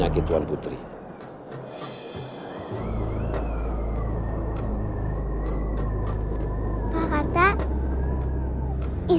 jangan lupa untuk berikan duit